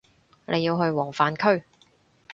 你要去黃泛區